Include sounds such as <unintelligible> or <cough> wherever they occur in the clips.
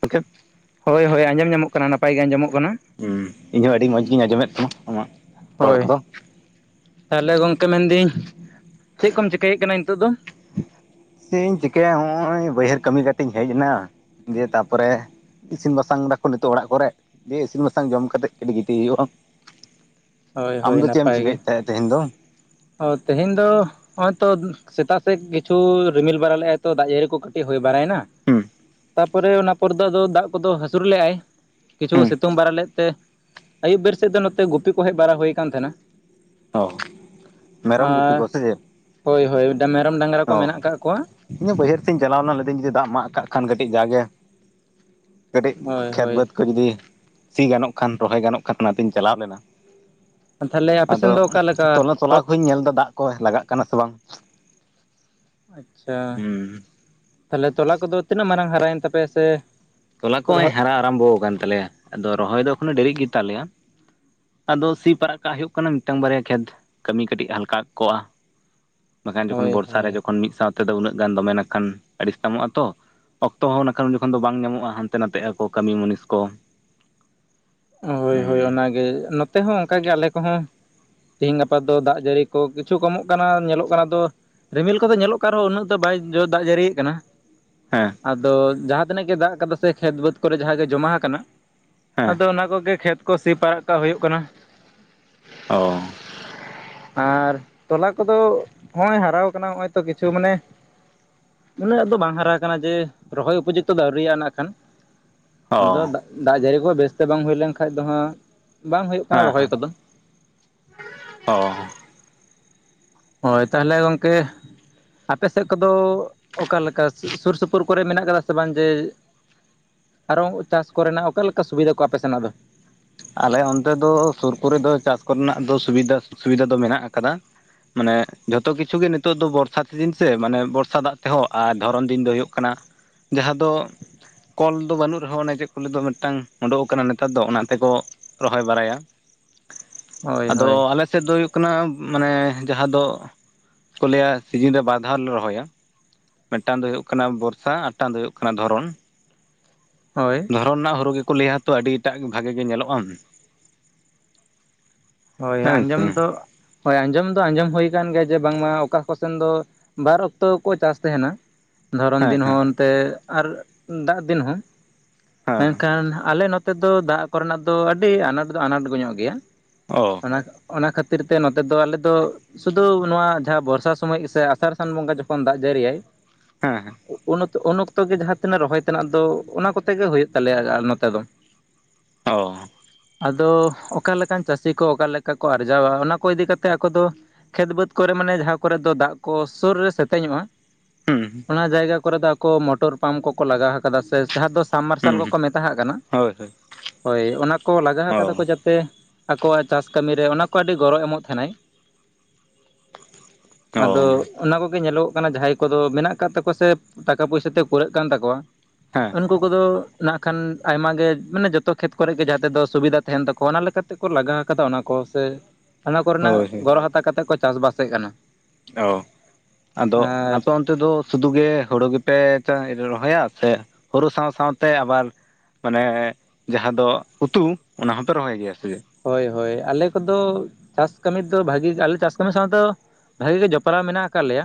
ᱜᱚᱝᱠᱮ ᱦᱚᱭ ᱦᱚᱭ ᱟᱸᱡᱚᱢ ᱧᱟᱢᱚᱜ ᱠᱟᱱᱟ ᱱᱟᱯᱟᱭ ᱜᱮ ᱟᱸᱡᱚᱢᱚᱜ ᱠᱟᱱᱟ ᱦᱩᱸ ᱤᱧ ᱦᱚᱸ ᱟᱹᱰᱤ ᱢᱚᱸᱡᱽ ᱜᱤᱧ ᱟᱸᱡᱚᱢᱮᱫ ᱠᱟᱱᱟ ᱟᱢᱟᱜ ᱨᱚᱲ ᱦᱳᱭ ᱠᱚᱫᱚ ᱛᱟᱦᱚᱞᱮ ᱜᱚᱝᱠᱮ ᱢᱮᱱᱫᱟᱹᱧ ᱪᱮᱫ ᱠᱚᱢ ᱪᱤᱠᱟᱹᱭᱮᱫ ᱠᱟᱱᱟ ᱱᱤᱛᱚᱜ ᱫᱚ ᱪᱮᱜ ᱤᱧ ᱪᱤᱠᱟᱹᱭᱟ ᱱᱚᱜᱼᱚᱭ ᱵᱟᱹᱭᱦᱟᱹᱲ ᱠᱟᱹᱢᱤ ᱠᱟᱛᱮ ᱤᱧ ᱦᱮᱡ ᱮᱱᱟ ᱫᱤᱭᱮ ᱛᱟ ᱯᱚᱨᱮ ᱤᱥᱤᱱ ᱵᱟᱥᱟᱝ ᱫᱟ ᱠᱚ ᱱᱤᱛᱚᱜ ᱚᱲᱟᱜ ᱠᱚᱨᱮ ᱡᱮ ᱤᱥᱤᱱ ᱵᱟᱥᱟᱝ ᱡᱚᱢ ᱠᱟᱛᱮᱫ ᱠᱟᱹᱴᱤᱡ ᱜᱤᱛᱤᱡ ᱦᱩᱭᱩᱜᱼᱟ <unintelligible> ᱟᱢ ᱦᱳᱭ ᱫᱚ ᱪᱮᱫ ᱮᱢ ᱱᱟᱯᱟᱭ ᱜᱮ ᱪᱤᱠᱟᱹᱭᱮᱫ ᱛᱟᱦᱮᱸᱫ ᱛᱮᱦᱮᱧ ᱫᱚ ᱚ ᱛᱮᱦᱮᱧ ᱫᱚ ᱱᱚᱜ ᱚᱭ ᱛᱚ ᱥᱮᱛᱟᱜ ᱥᱮᱫ ᱠᱤᱪᱷᱩ ᱨᱤᱢᱤᱞ ᱵᱟᱲᱟ ᱞᱮᱫᱟᱭ ᱛᱚ ᱫᱟᱜ ᱡᱟᱹᱲᱤ ᱠᱚ ᱠᱟᱹᱴᱤᱡ ᱦᱩᱭ ᱵᱟᱲᱟᱭ ᱮᱱᱟ ᱦᱩᱸ ᱛᱟᱯᱚᱨᱮ ᱚᱱᱟ ᱯᱚᱨ ᱫᱚ ᱫᱟᱜ ᱠᱚᱫᱚ ᱦᱟᱹᱥᱩᱨ ᱞᱮᱫ ᱟᱭ ᱠᱤᱪᱷᱩ ᱥᱤᱛᱩᱝ ᱵᱟᱲᱟ ᱞᱮᱫ ᱛᱮ ᱟᱹᱭᱩᱵ ᱵᱮᱨ ᱥᱮᱫ ᱫᱚ ᱱᱚᱛᱮ ᱜᱩᱯᱤ ᱠᱚ ᱦᱮᱡ ᱵᱟᱲᱟ ᱦᱩᱭ ᱟᱠᱟᱱ ᱛᱟᱦᱮᱱᱟ ᱚ ᱟᱪ ᱪᱷᱟ ᱟᱨ ᱦᱚᱭ ᱦᱚᱭ ᱢᱮᱨᱚᱢ ᱰᱟᱝᱜᱨᱟ ᱠᱚ ᱚ ᱢᱮᱱᱟᱜ ᱟᱠᱟᱫ ᱠᱚᱣᱟ ᱤᱧ ᱦᱚᱸ ᱵᱟᱹᱭᱦᱟᱹᱲ ᱤᱧ ᱪᱟᱞᱟᱣᱱᱟ ᱡᱩᱫᱤ ᱫᱟᱜ ᱢᱟᱜ ᱠᱟᱜ ᱠᱷᱟᱱ ᱠᱟᱹᱴᱤᱡ ᱡᱟᱜᱮ ᱠᱟᱹᱴᱤᱡ ᱦᱳᱭ ᱠᱷᱮᱛ ᱦᱳᱭ ᱵᱟᱹᱫᱽ ᱠᱚ ᱡᱩᱫᱤ ᱠᱷᱮᱛ ᱵᱟ. ᱫ ᱠᱚ ᱡᱩᱫᱤ ᱥᱤ ᱜᱟᱱᱚᱜ ᱠᱷᱟᱱ ᱨᱚᱦᱚᱭ ᱜᱟᱱᱚᱜ ᱠᱷᱟᱱ ᱚᱱᱟᱹᱛᱤᱧ ᱪᱟᱞᱟᱣ ᱞᱮᱱᱟ ᱛᱟᱦᱮᱞᱮ ᱟᱫᱚ ᱛᱚᱞᱟ ᱛᱚᱞᱟ ᱠᱩᱧ ᱧᱮᱞ ᱫᱟ ᱫᱟᱜ ᱠᱚ ᱞᱟᱜᱟᱣᱜ ᱠᱟᱱᱟ ᱥᱮ ᱵᱟᱝ ᱟᱪ ᱪᱷᱟ ᱦᱩᱸ ᱛᱟᱦᱚᱞᱮ ᱛᱚᱞᱟ ᱠᱚᱫᱚ ᱛᱤᱱᱟᱹᱜ ᱢᱟᱨᱟᱝ ᱦᱟᱨᱟᱭᱮᱱ ᱛᱟᱯᱮᱭᱟ ᱥᱮ ᱛᱚᱞᱟ ᱠᱚᱭ ᱨᱚᱦᱚᱭ ᱦᱟᱨᱟ ᱟᱨᱚᱢᱵᱷᱚ ᱟᱠᱟᱱ ᱛᱟᱞᱮᱭᱟ ᱟᱫᱚ ᱨᱚᱦᱚᱭ ᱫᱚ ᱮᱠᱷᱚᱱᱚ ᱰᱮᱨᱤᱜ ᱜᱮᱛ ᱞᱮᱭᱟ ᱟᱫᱚ ᱥᱤ ᱯᱟᱲᱟᱜ ᱠᱟᱜ ᱞᱮᱠᱷᱟ ᱱᱮᱢ ᱢᱤᱫᱴᱟᱝ ᱵᱟᱨᱭᱟ ᱠᱷᱮᱛ ᱠᱟᱹᱢᱤ ᱠᱟᱹᱴᱤᱡ ᱦᱟᱞᱠᱟ ᱠᱚᱜᱼᱟ ᱵᱟᱝᱠᱷᱟᱱ ᱡᱚᱠᱷᱚᱱ ᱦᱳᱭ ᱵᱚᱨᱥᱟ ᱨᱮ ᱦᱳᱭ ᱡᱚᱠᱷᱚᱱ ᱢᱤᱫ ᱥᱟᱶᱛᱮ ᱚᱠᱛ ᱫᱚ ᱩᱱᱟᱹᱜ ᱜᱟᱱ ᱫᱚᱢᱮ ᱱᱟᱠᱷᱟᱱ ᱟᱲᱤᱥ ᱛᱟᱢᱚᱜᱼᱟ ᱛᱚ ᱚᱠᱛᱚ ᱦᱚᱸᱠᱷᱟᱱ ᱩᱱᱚᱠᱷᱚᱱ ᱫᱚ ᱵᱟᱝ ᱧᱟᱢᱚᱜᱼᱟ ᱦᱟᱱᱛᱮ ᱱᱟᱛᱮ ᱟᱠᱚ ᱠᱟᱹᱢᱤ ᱢᱩᱱᱤᱥ ᱠᱚ ᱦᱚᱭ ᱦᱚᱭ ᱦᱮᱸ ᱚᱱᱟᱜᱮ ᱱᱚᱛᱮ ᱦᱚᱸ ᱚᱱᱠᱟᱜᱮ ᱟᱞᱮ ᱠᱚᱦᱚᱸ ᱛᱤᱦᱤᱧ ᱜᱟᱯᱟ ᱫᱚ ᱫᱟᱜ ᱡᱟᱹᱲᱤ ᱠᱚ ᱠᱤᱪᱷᱩ ᱠᱚᱢᱚᱜ ᱠᱟᱱᱟ ᱧᱮᱞᱚᱜ ᱠᱟᱱᱟ ᱫᱚ ᱨᱤᱢᱤᱞ ᱠᱚᱫᱚ ᱧᱮᱞᱚᱜ ᱠᱟᱱ ᱨᱮᱦᱚᱸ ᱩᱱᱟᱹᱜ ᱫᱚ ᱵᱟᱭ ᱡᱚ ᱫᱟᱜ ᱡᱟᱹᱲᱤᱭᱮᱜ ᱠᱟᱱᱟ ᱦᱮᱸ ᱟᱫᱚ ᱡᱟᱦᱟᱸ ᱛᱤᱱᱟᱹᱜ ᱜᱮ ᱫᱟᱜ ᱟᱠᱟᱫᱟ ᱥᱮ ᱠᱷᱮᱛ ᱵᱟᱹᱫᱽ ᱠᱚᱨᱮ ᱡᱟᱦᱟᱸᱜ ᱜᱮ ᱡᱚᱢᱟ ᱟᱠᱟᱱᱟ ᱦᱮᱸ ᱟᱫᱚ ᱚᱱᱟ ᱠᱚᱜᱮ ᱠᱷᱮᱛ ᱠᱚ ᱥᱤ ᱯᱟᱲᱟᱜ ᱠᱟᱜ ᱦᱩᱭᱩᱜ ᱠᱟᱱᱟ ᱚ <inaudible> ᱟᱨ ᱛᱚᱞᱟ ᱠᱚᱫᱚ ᱦᱚᱸᱜᱼᱚᱭ ᱦᱟᱨᱟᱣ ᱟᱠᱟᱱᱟ ᱱᱚᱜᱼᱚᱭ ᱛᱚ ᱠᱤᱪᱷᱩ ᱢᱟᱱᱮ ᱩᱱᱟᱹᱜ ᱫᱚ ᱵᱟᱝ ᱦᱟᱨᱟ ᱟᱠᱟᱱᱟ ᱡᱮ ᱨᱚᱦᱚᱭ ᱩᱯᱚᱡᱩᱠᱛᱚ ᱫᱚ ᱟᱹᱣᱨᱤᱭᱟᱜ-ᱟ ᱱᱟᱜ ᱠᱷᱟᱱ ᱚ ᱟᱫᱚ ᱫᱟᱜ ᱡᱟᱹᱲᱤ ᱠᱚ ᱵᱮᱥᱛᱮ ᱵᱟᱝ ᱦᱩᱭ ᱞᱮᱱ ᱠᱷᱟᱱᱡ ᱫᱚ ᱦᱟᱸᱜ ᱵᱟᱝ ᱦᱩᱭᱩᱜ ᱠᱟᱱᱟ ᱦᱮᱸ ᱨᱚᱦᱚᱭ ᱦᱮᱸ ᱠᱚᱫᱚ ᱚ ᱦᱳᱭ ᱛᱟᱦᱚᱞᱮ ᱜᱚᱝᱠᱮ ᱟᱯᱮ ᱥᱮᱫ ᱠᱚᱫᱚ ᱚᱠᱟᱞᱮᱠᱟ ᱥᱳᱨ ᱥᱳᱯᱳᱨ ᱠᱚᱨᱮ ᱢᱮᱱᱟᱜ ᱠᱟᱫᱟ ᱥᱮ ᱵᱟᱝ ᱡᱮ ᱟᱨᱦᱚᱸ ᱪᱟᱥ ᱠᱚᱨᱮᱱᱟᱜ ᱚᱠᱟ ᱞᱮᱠᱟ ᱥᱩᱵᱤᱫᱟ ᱠᱚ ᱟᱯᱮ ᱥᱮᱱᱟᱜ ᱫᱚ ᱟᱞᱮ ᱚᱱᱛᱮ ᱫᱚ ᱥᱩᱨ ᱠᱚᱨᱮ ᱫᱚ ᱪᱟᱥ ᱠᱚᱨᱮᱱᱟᱜ ᱫᱚ ᱥᱩᱵᱤᱫᱟ ᱥᱩᱵᱤᱫᱷᱟ ᱫᱚ ᱢᱮᱱᱟᱜ ᱟᱠᱟᱫᱟ ᱢᱟᱱᱮ ᱡᱷᱚᱛᱚ ᱠᱤᱪᱷᱩ ᱜᱮ ᱱᱤᱛᱚᱜ ᱫᱚ ᱵᱚᱨᱥᱟ ᱫᱤᱱ ᱥᱮ ᱢᱟᱱᱮ ᱵᱚᱨᱥᱟ ᱫᱟᱜ ᱛᱮᱦᱚᱸ ᱟᱨ ᱫᱷᱚᱨᱚᱱ ᱫᱤᱱ ᱫᱚ ᱦᱩᱭᱩᱜ ᱠᱟᱱᱟ ᱡᱟᱦᱟᱸ ᱫᱚ ᱠᱚᱞ ᱫᱚ ᱵᱟᱹᱱᱩᱜ ᱨᱮᱦᱚᱸ ᱚᱱᱮ ᱡᱮ ᱪᱮᱫ ᱠᱚᱞᱟᱭ ᱫᱚ ᱢᱤᱫᱴᱟᱝ ᱩᱰᱩᱠ ᱟᱠᱟᱱᱟ ᱱᱮᱛᱟᱨ ᱫᱚ ᱚᱱᱟ ᱛᱮᱠᱚ ᱨᱚᱦᱚᱭ ᱵᱟᱲᱟᱭᱟ ᱦᱳᱭ ᱟᱫᱚ ᱦᱳᱭ ᱟᱞᱮᱥᱮᱫ ᱥᱮᱫ ᱫᱚ ᱦᱩᱭᱩᱜ ᱠᱟᱱᱟ ᱢᱟᱱᱮ ᱡᱟᱦᱟᱸ ᱫᱚ ᱠᱚ ᱞᱟᱹᱭᱟ ᱥᱤᱡᱤᱱ ᱨᱮ ᱵᱟᱨ ᱫᱷᱟᱣ ᱞᱮᱮ ᱨᱚᱦᱚᱭᱟ ᱢᱤᱫᱴᱟᱱ ᱫᱚ ᱦᱩᱭᱩᱜ ᱠᱟᱱᱟ ᱵᱚᱨᱥᱟ ᱟᱨ ᱢᱤᱫᱴᱟᱱ ᱫᱚ ᱦᱩᱭᱩᱜ ᱠᱟᱱᱟ ᱫᱷᱚᱨᱚᱱ ᱦᱳᱭ ᱫᱷᱚᱨᱚᱱ ᱨᱮᱱᱟᱜ ᱦᱩᱲᱩ ᱜᱮᱠᱚ ᱞᱟᱹᱭᱟ ᱛᱚ ᱟᱹᱰᱤᱴᱟᱜ ᱵᱷᱟᱜᱮ ᱜᱮ ᱧᱮᱞᱚᱜᱼᱟᱢ ᱦᱳᱭ ᱦᱮᱸ ᱥᱮ ᱟᱸᱡᱚᱢ ᱫᱚ ᱦᱳᱭ ᱟᱸᱡᱚᱢ ᱫᱚ ᱟᱸᱡᱚᱢ ᱦᱩᱭ ᱟᱠᱟᱱ ᱜᱮᱭᱟ ᱡᱮ ᱵᱟᱝᱢᱟ ᱚᱠᱟ ᱠᱚᱥᱮᱱ ᱫᱚ ᱵᱟᱨ ᱚᱠᱛᱚ ᱜᱮᱠᱚ ᱪᱟᱥ ᱛᱟᱦᱮᱱᱟ ᱫᱷᱚᱨᱚᱱ ᱦᱮᱸ ᱫᱤᱱ ᱦᱚᱸ ᱦᱮᱸ ᱚᱱᱛᱮ ᱟᱨ ᱫᱟᱜ ᱫᱤᱱ ᱦᱚᱸ ᱦᱮᱸ ᱢᱮᱱᱠᱷᱟᱱ ᱟᱞᱮ ᱱᱚᱛᱮ ᱛᱮᱫᱚ ᱫᱟᱜ ᱠᱚᱨᱮᱱᱟᱜ ᱫᱚ ᱟᱹᱰᱤ ᱟᱱᱟᱴ ᱫᱚ ᱟᱱᱟᱴ ᱜᱮ ᱧᱚᱜ ᱜᱮᱭᱟ ᱚ ᱚᱱᱟ ᱚᱱᱟ ᱠᱷᱟᱹᱛᱤᱨ ᱛᱮ ᱱᱚᱛᱮ ᱫᱚ ᱟᱞᱮ ᱫᱚ ᱥᱩᱫᱩ ᱱᱚᱣᱟ ᱡᱟᱦᱟᱸ ᱵᱚᱨᱥᱟ ᱥᱚᱢᱚᱭ ᱜᱮ ᱥᱮ ᱟᱥᱟᱲ ᱥᱟᱱ ᱵᱚᱸᱜᱟ ᱡᱚᱠᱷᱚᱱ ᱫᱟᱜ ᱡᱟᱹᱲᱤᱭᱟᱭ ᱦᱮᱸ ᱦᱮᱸ ᱩᱱ ᱚᱠᱛᱚ ᱜᱮ ᱡᱟᱦᱟᱸ ᱛᱤᱱᱟᱹᱜ ᱨᱚᱦᱚᱭ ᱛᱮᱱᱟᱜ ᱫᱚ ᱚᱱᱟ ᱠᱚᱛᱮ ᱜᱮ ᱦᱩᱭᱩᱜ ᱛᱟᱞᱮᱭᱟ ᱱᱚᱛᱮ ᱫᱚ <inaudible> ᱚ ᱟᱫᱚ ᱚᱠᱟᱞᱮᱠᱟᱱ ᱪᱟᱹᱥᱤ ᱠᱚ ᱚᱠᱟᱮᱠᱟ ᱠᱚ ᱟᱨᱡᱟᱣᱟ ᱚᱱᱟ ᱠᱚ ᱤᱫᱤ ᱠᱟᱛᱮ ᱟᱠᱚ ᱫᱚ ᱠᱷᱮᱛ ᱵᱟᱹᱫᱽ ᱠᱚᱨᱮ ᱢᱟᱱᱮ ᱡᱟᱦᱟᱸ ᱠᱚᱨᱮ ᱫᱚ ᱫᱟᱜ ᱠᱚ ᱥᱩᱨ ᱨᱮ ᱥᱮᱛᱮᱧᱚᱜᱼᱟ ᱚᱱᱟ ᱡᱟᱭᱜᱟ ᱠᱚᱨᱮ ᱫᱚ ᱟᱠᱚ ᱢᱚᱴᱚᱨ ᱯᱟᱢᱯ ᱠᱚᱠᱚ ᱞᱟᱜᱟᱣ ᱟᱠᱫᱟ ᱥᱮ ᱡᱟᱦᱟᱸ ᱫᱚ ᱥᱟᱢ ᱢᱟᱨᱥᱟᱞ ᱠᱚᱠᱚ ᱢᱮᱛᱟᱜ ᱠᱟᱱᱟ, ᱦᱳᱭ ᱦᱳᱭ ᱚᱱᱟ ᱠᱚ ᱞᱟᱜᱟ ᱟᱠᱫᱟ ᱠᱚ ᱚ ᱡᱟᱛᱮ ᱠᱚᱣᱟᱜ ᱪᱟᱥ ᱠᱟᱹᱢᱤ ᱨᱮ ᱚᱱᱟ ᱠᱚ ᱟᱹᱰᱤ ᱜᱚᱨᱚ ᱮᱢᱚᱜ ᱛᱟᱦᱮᱱᱟᱭ ᱚ ᱟᱫᱚ ᱚᱱᱟ ᱠᱚᱜᱮ ᱧᱮᱞᱚᱜᱚᱜ ᱠᱟᱱᱟ ᱡᱟᱦᱟᱸᱭ ᱠᱚᱫᱚ ᱢᱮᱱᱟᱜ ᱟᱠᱟᱫ ᱛᱟᱠᱚᱣᱟ ᱥᱮ ᱴᱟᱠᱟ ᱯᱚᱭᱥᱟ ᱛᱮ ᱠᱩᱲᱟᱹᱜ ᱠᱟᱱ ᱛᱟᱠᱚᱣᱟ ᱦᱮᱸ ᱩᱱᱠᱩ ᱠᱚᱫᱚ ᱱᱟᱜ ᱠᱷᱟᱱ ᱟᱭᱢᱟ ᱜᱮ ᱢᱟᱱᱮ ᱡᱚᱛᱚ ᱠᱷᱮᱛ ᱠᱚᱨᱮ ᱜᱮ ᱡᱟᱛᱮ ᱫᱚ ᱥᱩᱵᱤᱫᱟ ᱛᱟᱦᱮᱱ ᱛᱟᱠᱚᱣᱟ ᱚᱱᱟ ᱞᱮᱠᱟᱛᱮ ᱠᱚ ᱞᱟᱜᱟᱣ ᱠᱟᱫᱟ ᱚᱱᱟ ᱠᱚ ᱥᱮ ᱚᱱᱟ ᱠᱚᱨᱮᱱᱟᱜ ᱦᱳᱭ ᱦᱳᱭ ᱜᱚᱨᱚ ᱦᱟᱛᱟᱣ ᱠᱟᱛᱮᱫ ᱠᱚ ᱪᱟᱥ ᱵᱟᱥᱮᱫ ᱠᱟᱱᱟ ᱚ, ᱟᱫᱚ ᱟᱨ ᱟᱯᱮ ᱚᱱ ᱚᱱᱛᱮ ᱫᱚ ᱥᱩᱫᱷᱩ ᱜᱮ ᱦᱩᱲᱩ ᱜᱮᱯᱮ ᱨᱚᱦᱚᱭᱟ ᱥᱮ ᱦᱩᱲᱩ ᱥᱟᱶ ᱥᱟᱶᱛᱮ ᱟᱵᱟᱨ ᱢᱟᱱᱮ ᱡᱟᱦᱟᱸ ᱫᱚ ᱩᱛᱩ ᱚᱱᱟ ᱦᱚᱸᱯᱮ ᱨᱚᱦᱚᱭ ᱜᱮᱭᱟ ᱥᱮ ᱦᱳᱭ ᱦᱳᱭ ᱟᱞᱮ ᱠᱚᱫᱚ ᱪᱟᱥ ᱠᱟᱹᱢᱤ ᱫᱚ ᱵᱷᱟᱜᱤ ᱜᱮ ᱟᱞᱮ ᱪᱟᱥ ᱠᱟᱹᱢᱤ ᱥᱟᱶ ᱛᱮᱫᱚ ᱵᱷᱟᱜᱤ ᱜᱮ ᱡᱚᱯᱲᱟᱣ ᱢᱮᱱᱟᱜ ᱟᱠᱟᱫ ᱞᱮᱭᱟ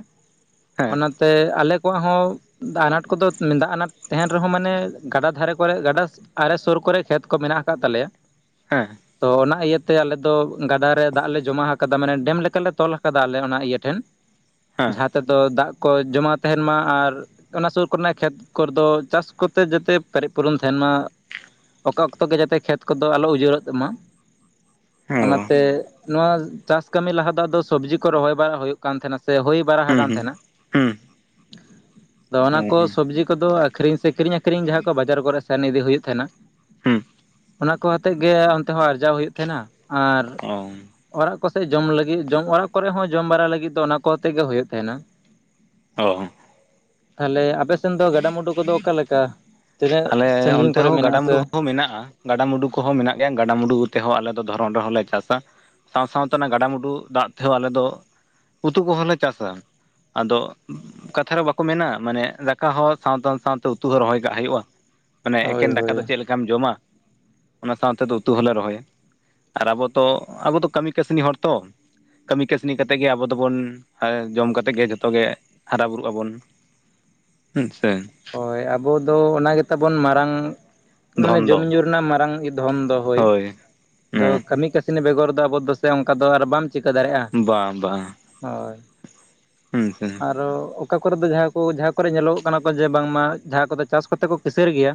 ᱦᱮᱸ ᱚᱱᱟᱛᱮ ᱟᱞᱮ ᱠᱚᱣᱟᱜ ᱦᱚᱸ ᱫᱟᱜ ᱟᱱᱟᱴ ᱠᱚᱫᱚ ᱫᱟᱜ ᱟᱱᱟᱴ ᱛᱟᱦᱮᱱ ᱨᱮᱦᱚᱸ ᱢᱟᱱᱮ ᱜᱟᱰᱟ ᱫᱷᱟᱨᱮ ᱠᱚᱨᱮ ᱜᱟᱰᱟ ᱟᱞᱮ ᱥᱩᱨ ᱠᱚᱨᱮ ᱠᱷᱮᱛ ᱠᱚ ᱢᱮᱱᱟᱜ ᱟᱠᱟᱫ ᱛᱟᱞᱮᱭᱟ ᱦᱮᱸ ᱛᱚ ᱚᱱᱟ ᱤᱭᱟᱹᱛᱮ ᱟᱞᱮ ᱫᱚ ᱜᱟᱰᱟ ᱨᱮ ᱫᱟᱜ ᱞᱮ ᱡᱚᱢᱟ ᱟᱠᱟᱫᱟ ᱢᱟᱱᱮ ᱰᱮᱢ ᱞᱮᱠᱟᱞᱮ ᱛᱚᱞ ᱟᱠᱟᱫᱟ ᱟᱞᱮ ᱚᱱᱟ ᱤᱭᱟᱹ ᱴᱷᱮᱱ ᱦᱮᱸ ᱡᱟᱦᱟᱸ ᱛᱮᱫᱚ ᱫᱟᱜ ᱠᱚ ᱡᱚᱢᱟ ᱛᱟᱦᱮᱱ ᱢᱟ ᱟᱨ ᱚᱱᱟ ᱥᱩᱨ ᱠᱚᱨᱮᱱᱟᱜ ᱠᱷᱮᱛ ᱠᱚᱨᱮ ᱫᱚ ᱪᱟᱥ ᱠᱚᱛᱮ ᱡᱟᱛᱮ ᱯᱮᱨᱮᱡ ᱯᱩᱨᱚᱱ ᱛᱟᱦᱮᱱ ᱢᱟ ᱚᱠᱟ ᱚᱠᱛᱚ ᱜᱮ ᱡᱟᱛᱮ ᱠᱷᱮᱛ ᱠᱚᱫᱚ ᱟᱞᱚ ᱩᱡᱟᱹᱲᱚᱜ ᱛᱟᱢᱟ ᱚ ᱚᱱᱟᱛᱮ ᱱᱚᱣᱟ ᱪᱟᱥ ᱠᱟᱹᱢᱤ ᱞᱟᱦᱟ ᱫᱚ ᱟᱫᱚ ᱥᱚᱵᱽᱡᱤ ᱠᱚ ᱨᱚᱦᱚᱭ ᱵᱟᱲᱟ ᱦᱩᱭᱩᱜ ᱠᱟᱱ ᱛᱟᱦᱮᱱᱟ ᱥᱮ ᱦᱩᱭ ᱵᱟᱲᱟ ᱦᱩᱸ ᱟᱠᱟᱱ ᱦᱩᱸ ᱛᱟᱦᱮᱱᱟ ᱦᱩᱸ ᱟᱫᱚ ᱚᱱᱟ ᱠᱚ ᱦᱩᱸ ᱥᱚᱵᱡᱤ ᱠᱚᱫᱚ ᱟᱹᱠᱷᱨᱤᱧ ᱥᱮ ᱠᱤᱨᱤᱧ ᱟᱠᱠᱷᱨᱤᱧ ᱡᱟᱦᱟᱸ ᱠᱚ ᱵᱟᱡᱟᱨ ᱠᱚᱨᱮ ᱥᱮᱱ ᱤᱫᱤ ᱦᱩᱭᱩᱜ ᱛᱟᱦᱮᱱᱟ ᱦᱩᱸ ᱚᱱᱟ ᱠᱚ ᱦᱚᱛᱮᱫ ᱜᱮ ᱚᱱᱛᱮ ᱦᱚᱸ ᱟᱨᱡᱟᱣ ᱦᱩᱭᱩᱜ ᱛᱟᱸᱦᱮᱱᱟ ᱟᱨ ᱚ ᱚᱲᱟᱜ ᱠᱚᱥᱮᱫ ᱡᱚᱢ ᱞᱟᱹᱜᱤᱫ ᱡᱚᱢ ᱚᱲᱟᱜ ᱠᱚᱨᱮ ᱦᱚᱸ ᱡᱚᱢ ᱵᱟᱲᱟ ᱞᱟᱹᱜᱤᱫ ᱫᱚ ᱚᱱᱟ ᱠᱚᱛᱮ ᱜᱮ ᱦᱩᱭᱩᱜ ᱛᱟᱦᱮᱱᱟ ᱚ ᱛᱟᱦᱞᱮ ᱟᱯᱮ ᱥᱮᱱ ᱫᱚ ᱜᱟᱰᱟᱼᱢᱩᱰᱩ ᱠᱚᱫᱚ ᱚᱠᱟᱞᱮᱠᱟ ᱛᱤᱱᱟᱹᱜ ᱟᱞᱮ ᱥᱟᱺᱜᱤᱧ ᱚᱱᱛᱮ ᱠᱚᱨᱮ ᱦᱚᱸ ᱢᱮᱱᱟᱜ ᱜᱟᱰᱟᱢᱩᱰᱩ ᱟᱥᱮ? ᱦᱚᱸ ᱢᱮᱱᱟᱜᱼᱟ ᱜᱟᱰᱟ ᱢᱩᱰᱩ ᱠᱚᱦᱚᱸ ᱢᱮᱱᱟᱜ ᱜᱮᱭᱟ ᱜᱟᱰᱟᱼᱢᱰᱩ ᱠᱚ ᱛᱮᱦᱚᱸ ᱟᱞᱮ ᱫᱚ ᱫᱷᱚᱨᱱ ᱨᱮᱦᱚᱸᱞᱮ ᱪᱟᱥᱟ, ᱥᱟᱶ ᱥᱟᱶᱛᱮ ᱚᱱᱟ ᱜᱟᱰᱟᱢᱩᱰᱩ ᱫᱟᱜ ᱛᱮᱦᱚᱸ ᱟᱞᱮ ᱫᱚ ᱩᱛᱩ ᱠᱚᱦᱚᱸᱞᱮ ᱪᱟᱥᱟ ᱟᱫᱚ ᱠᱟᱛᱷᱟ ᱨᱮ ᱵᱟᱠᱚ ᱢᱮᱱᱟ ᱢᱟᱱᱮ ᱫᱟᱠᱟ ᱦᱚᱸ ᱥᱟᱶᱛᱮ ᱥᱟᱶᱛᱮ ᱩᱛᱩ ᱦᱚᱸ ᱨᱚᱦᱚᱭ ᱠᱟᱜ ᱦᱩᱭᱩᱜᱼᱟ ᱢᱟᱱᱮ ᱦᱳᱭ ᱮᱠᱮᱱ ᱫᱟᱠᱟ ᱦᱳᱭ ᱫᱚ ᱪᱮᱫ ᱞᱮᱠᱟᱢ ᱡᱚᱢᱟ ᱚᱱᱟ ᱥᱟᱶᱛᱮ ᱫᱚ ᱩᱛᱩ ᱦᱚᱞᱮ ᱨᱚᱦᱚᱭᱟ ᱟᱨ ᱟᱵᱚ ᱛᱚ ᱟᱵᱚ ᱫᱚ ᱠᱟᱹᱢᱤ ᱠᱟᱹᱥᱱᱤ ᱦᱚᱲ ᱛᱚ ᱠᱟᱹᱢᱤ ᱠᱟᱹᱥᱱᱤ ᱠᱟᱛᱮᱫ ᱜᱮ ᱟᱵᱚ ᱫᱚᱵᱚᱱ ᱡᱚᱢ ᱠᱟᱛᱮᱫ ᱜᱮ ᱡᱷᱚᱛᱚ ᱜᱮ ᱦᱟᱨᱟ ᱵᱩᱨᱩᱜ ᱟᱵᱚᱱ ᱩᱸᱪᱷᱟ ᱦᱳᱭ ᱟᱵᱚ ᱫᱚ ᱚᱱᱟ ᱜᱮᱛᱟ ᱵᱚᱱ ᱢᱟᱨᱟᱝ ᱢᱟᱱᱮ ᱫᱷᱚᱱ ᱫᱚ ᱡᱚᱢᱧᱩ ᱨᱮᱱᱟᱜ ᱢᱟᱨᱟᱝ ᱫᱷᱚᱱ ᱫᱚ ᱦᱳᱭ ᱟᱫᱚ ᱦᱮᱸ ᱠᱟᱹᱢᱤ ᱠᱟᱹᱥᱱ ᱤᱥᱤᱱᱤ ᱵᱮᱜᱚᱨ ᱫᱚ ᱟᱵᱚ ᱫᱚᱥᱮ ᱚᱱᱠᱟ ᱫᱚ ᱟᱨ ᱵᱟᱢ ᱪᱤᱠᱟᱹ ᱫᱟᱲᱮᱭᱟᱜᱼᱟ ᱵᱟᱝ ᱵᱟᱝ ᱦᱳᱭ ᱦᱮᱸ ᱥᱮᱸ ᱟᱨᱚ ᱚᱠᱟ ᱠᱚᱨᱮ ᱫᱚ ᱡᱟᱦᱟᱸ ᱠᱚ ᱡᱟᱦᱟᱸ ᱠᱚᱨᱮ ᱧᱮᱞᱚᱜ ᱠᱟᱱᱟ ᱠᱚ ᱡᱮ ᱵᱟᱝᱢᱟ ᱡᱟᱦᱟᱸ ᱠᱚᱫᱚ ᱪᱟᱥ ᱠᱚ ᱠᱟᱛᱮ ᱠᱚ ᱠᱤᱥᱟᱹᱲ ᱜᱮᱭᱟ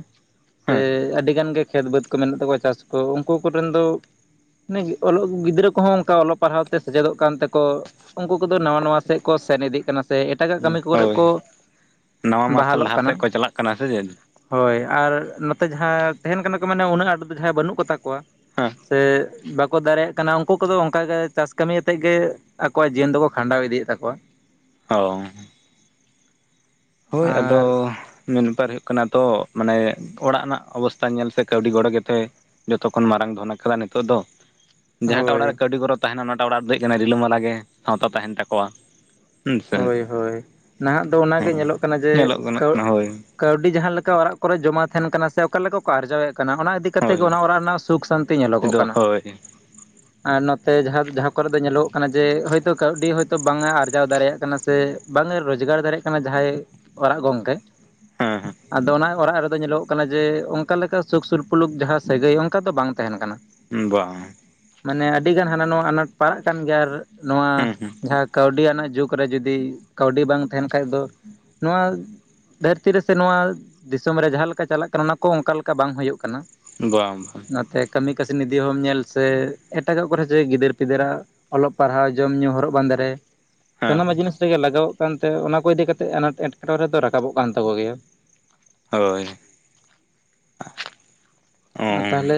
ᱥᱮ ᱦᱮᱸ ᱟᱹᱰᱤᱜᱟᱱ ᱜᱮ ᱠᱷᱮᱛ ᱵᱟᱹᱫᱽ ᱠᱚ ᱢᱮᱱᱟᱜ ᱛᱟᱠᱚᱣᱟ ᱪᱟᱥ ᱠᱚ ᱩᱱᱠᱩ ᱠᱚᱨᱮᱱ ᱫᱚ ᱢᱮ ᱚᱞᱚᱜ ᱜᱤᱫᱽᱨᱟᱹ ᱠᱚᱦᱚᱸ ᱚᱱᱠᱟ ᱚᱞᱚᱜ ᱯᱟᱲᱦᱟᱣ ᱛᱮ ᱥᱮᱪᱮᱫᱚᱜ ᱠᱟᱱ ᱛᱮᱠᱚ ᱩᱱᱠᱩ ᱠᱚᱫᱚ ᱱᱟᱶᱟ ᱱᱟᱶᱟ ᱥᱮᱫ ᱠᱚ ᱥᱮᱱ ᱤᱫᱤᱜ ᱠᱟᱱᱟ ᱥᱮ ᱮᱴᱟᱜᱟᱜ ᱠᱟᱹᱢᱤ ᱠᱚᱨᱮ ᱠᱚ ᱱᱟᱶᱟ ᱢᱟᱨᱥᱟᱞ ᱵᱟᱦᱟᱞᱚᱜ ᱰᱟᱦᱟᱨ ᱥᱮᱫ ᱠᱟᱱᱟ ᱠᱚ ᱪᱟᱞᱟᱜ ᱠᱟᱱᱟ ᱥᱮ? ᱦᱳᱭ ᱟᱨ ᱱᱚᱛᱮ ᱡᱟᱦᱟᱸ ᱛᱟᱦᱮᱱ ᱠᱟᱱᱟ ᱠᱚ ᱢᱮᱟᱱᱮ ᱩᱱᱟᱹᱜ ᱟᱸᱴ ᱫᱚ ᱡᱟᱦᱟᱸᱭ ᱵᱟᱹᱱᱩᱜ ᱠᱚᱛᱟ ᱠᱚᱣᱟ᱾ ᱦᱮᱸ ᱥᱮ ᱵᱟᱠ ᱠᱚ ᱫᱟᱲᱮᱭᱟᱜ ᱠᱟᱱᱟ ᱩᱱᱠᱩ ᱠᱚᱫᱚ ᱚᱱᱠᱟᱜ ᱪᱟᱥ ᱠᱟᱹᱢᱤᱭᱟᱛᱮᱫ ᱜᱮ ᱟᱠᱚᱣᱟᱜ ᱡᱤᱭᱚᱱ ᱫᱚᱠᱚ ᱠᱷᱟᱸᱰᱟᱣ ᱤᱫᱤᱭᱮᱫ ᱛᱟᱠᱚᱣᱟ᱾ ᱦᱚᱣ ᱦᱳᱭ ᱟᱫᱚ ᱟᱨ ᱢᱮᱱ ᱵᱮᱯᱟᱨ ᱦᱩᱭᱩᱜ ᱠᱟᱱᱟ ᱛᱚ ᱢᱟᱱᱮ ᱚᱲᱟᱜ ᱨᱮᱱᱟᱜ ᱚᱵᱚᱥᱛᱟ ᱧᱮᱞ ᱥᱮ ᱠᱟᱹᱣᱰᱤ ᱜᱚᱲᱚ ᱜᱮᱛᱮ ᱡᱚᱛᱚ ᱠᱷᱚᱱ ᱢᱟᱨᱟᱝ ᱫᱷᱚᱱ ᱟᱠᱟᱫᱟ ᱱᱤᱛᱚᱜ ᱫᱚ ᱡᱟᱦᱟᱸᱴᱟᱜ ᱚᱲᱟᱜ ᱦᱳᱭ ᱨᱮ ᱠᱟᱹᱣᱰᱤ ᱠᱚᱚᱨᱚ ᱛᱟᱦᱮᱱᱟ ᱚᱱᱟᱴᱟᱜ ᱚᱲᱟᱜ ᱨᱮᱫᱚ ᱦᱩᱭᱩᱜ ᱠᱟᱱᱟ ᱨᱤᱞᱟᱹᱢᱟᱞᱟ ᱜᱮ ᱥᱟᱶᱛᱟ ᱛᱟᱦᱮᱱ ᱛᱟᱠᱚᱣᱟ ᱦᱮᱸ ᱥᱮ ᱦᱳᱭ ᱦᱳᱭ ᱱᱟᱦᱟᱜ ᱫᱚ ᱚᱱᱟᱜᱮ ᱦᱮᱸ ᱧᱮᱞᱚᱜ ᱠᱟᱱᱟ ᱡᱮ ᱧᱮᱞᱚᱜ ᱜᱟᱱᱚᱜ ᱠᱟᱹᱣ ᱠᱟᱱᱟ ᱦᱳᱭ ᱠᱟᱹᱣᱰᱤ ᱡᱟᱦᱟᱸ ᱞᱮᱠᱟ ᱚᱲᱟᱜ ᱠᱚᱨᱮ ᱡᱚᱢᱟ ᱛᱟᱦᱮᱱ ᱠᱟᱱᱟ ᱥᱮ ᱚᱠᱟ ᱞᱮᱠᱟ ᱠᱚ ᱟᱨᱡᱟᱣᱮᱫ ᱠᱟᱱᱟ ᱚᱱᱟ ᱤᱫᱤ ᱠᱟᱛᱮ ᱜᱮ ᱦᱳᱭ ᱚᱱᱟ ᱚᱲᱟᱜ ᱨᱮᱱᱟᱜ ᱥᱩᱠ ᱥᱟᱱᱛᱤ ᱧᱮᱞᱚᱜᱚᱜ ᱛᱮᱫᱚ ᱠᱟᱱᱟ ᱦᱳᱭ ᱟᱨ ᱱᱚᱛᱮ ᱡᱟᱦᱟᱸ ᱡᱟᱦᱟᱸ ᱠᱚᱨᱮ ᱫᱚ ᱧᱮᱞᱚᱜ ᱠᱟᱱᱟ ᱡᱮ ᱦᱭᱛᱳ ᱠᱟᱹᱣᱰᱤ ᱦᱭᱛᱳ ᱵᱟᱝ ᱮ ᱟᱨᱡᱟᱣ ᱫᱟᱲᱮᱭᱟᱜ ᱥᱮ ᱵᱟᱝᱮ ᱨᱳᱡᱽᱜᱟᱨ ᱫᱟᱲᱮᱭᱟᱜ ᱠᱟᱱᱟ ᱡᱟᱦᱟᱸᱭ ᱚᱲᱟᱜ ᱜᱚᱝᱠᱮ ᱦᱮᱸ ᱟᱫᱚ ᱚᱱᱟ ᱚᱲᱟᱜ ᱨᱮᱫᱚ ᱧᱮᱞᱚᱜ ᱠᱟᱱᱟ ᱡᱮ ᱚᱱᱠᱟ ᱞᱮᱠᱟ ᱥᱩᱠ ᱥᱩᱨᱯᱩᱨᱩᱞᱩᱠ ᱡᱟᱦᱟᱸ ᱥᱟᱹᱜᱟᱹᱭ ᱚᱱᱠᱟ ᱫᱚ ᱵᱟᱝ ᱛᱟᱦᱮᱱ ᱠᱟᱱᱟ ᱵᱟᱝ ᱢᱟᱱᱮ ᱟᱹᱰᱤᱜᱟᱱ ᱦᱟᱱᱟ ᱱᱚᱣᱟᱣᱟ ᱟᱱᱟᱴ ᱯᱟᱲᱟᱜ ᱠᱟᱱ ᱜᱮᱭᱟ ᱟᱨ ᱱᱚᱣᱟ ᱦᱮᱸ ᱦᱮᱸ ᱡᱟᱦᱟᱸ ᱠᱟᱹᱣᱰᱤ ᱟᱱᱟᱜ ᱡᱩᱜᱽ ᱠᱚᱨᱮ ᱡᱩᱫᱤ ᱠᱟᱹᱣᱰᱤ ᱵᱟᱝ ᱛᱟᱦᱮᱱ ᱠᱷᱟᱡ ᱫᱚ ᱱᱚᱶᱟ ᱫᱷᱟᱹᱨᱛᱤ ᱨᱮᱥᱮ ᱱᱚᱣᱟ ᱫᱤᱥᱚᱢ ᱨᱮ ᱡᱟᱦᱟᱸ ᱞᱮᱠᱟ ᱪᱟᱞᱟᱜ ᱠᱟᱱᱟ ᱚᱱᱟ ᱠᱚ ᱚᱱᱠᱟ ᱞᱮᱠᱟ ᱵᱟᱝ ᱦᱩᱭᱩᱜ ᱠᱟᱱᱟ᱾ ᱵᱟᱝ ᱵᱟᱝ ᱱᱚᱛᱮ ᱠᱟᱹᱢᱤ ᱠᱟᱹᱥᱱᱤ ᱫᱤᱦᱚᱸᱢ ᱧᱮᱞ ᱥᱮ ᱮᱴᱟᱜᱟᱜ ᱠᱚᱨᱮ ᱡᱮ ᱜᱤᱫᱟᱹᱨ ᱯᱤᱫᱟᱹᱨᱟᱜ, ᱚᱞᱚᱜ ᱯᱟᱲᱦᱟᱣ ᱡᱚᱢ ᱧᱩ ᱦᱚᱨᱚᱜ ᱵᱟᱸᱫᱮ ᱨᱮ ᱦᱮᱸ ᱥᱟᱱᱟᱢᱟᱜ ᱡᱤᱱᱤᱥ ᱨᱮᱜᱮ ᱞᱟᱜᱟᱣᱚᱜ ᱠᱟᱱᱛᱮ ᱚᱱᱟ ᱠᱚ ᱤᱫᱤ ᱠᱟᱛᱮᱫ ᱟᱱᱟᱴ ᱮᱴᱠᱮᱴᱚᱬᱮ ᱫᱚ ᱨᱟᱠᱟᱵᱚᱜ ᱠᱟᱱ ᱛᱟᱠᱚ ᱜᱮᱭᱟ ᱦᱳᱭ ᱚ ᱟᱨ ᱛᱟᱦᱚᱞᱮ